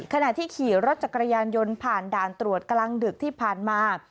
ขณะที่ขี่รถจักรยานยนต์ผ่านด่านตรวจกลางดึกที่ผ่านมา